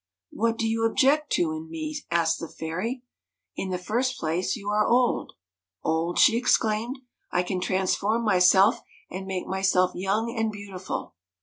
" What do you object to in me ?" asked the fairy. '" In the first place you are old." ' "Old !" she exclaimed, " I can transform myself and make myself young and beautiful."